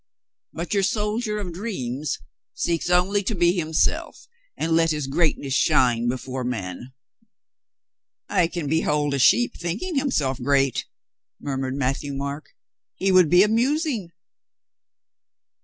But your soldier of dreams seeks only to be himself and let his great ness shine before men." "I can behold a sheep thinking himself great," 62 COLONEL GREATHEART murmured Matthieu Marc. "He would be amus mg.